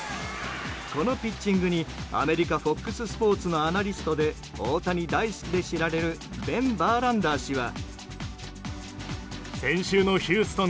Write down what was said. このピッチングにアメリカ、ＦＯＸスポーツのアナリストで大谷大好きで知られるベン・バーランダー氏は。